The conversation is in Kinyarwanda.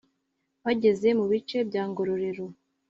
Bageze mu bice bya Ngororero